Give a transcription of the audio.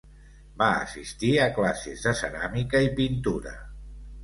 Va assistir a classes de ceràmica i pintura.